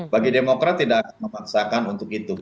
bagi demokrat tidak akan memaksakan untuk itu